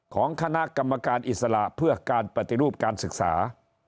ของคณะกรรมการอิสระเพื่อการปฏิรูปการศึกษา